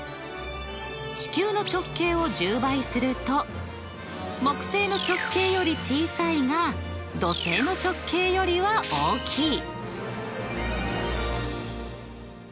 地球の直径を１０倍すると木星の直径より小さいが土星の直径よりは大きい。